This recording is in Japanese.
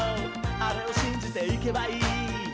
あれをしんじていけばいい」